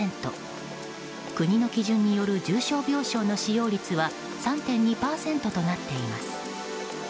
国の基準による重症病床の使用率は３．２％となっています。